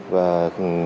và trong tình hình